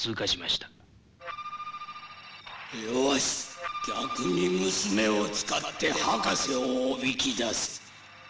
よし逆に娘を使って博士をおびき出せ。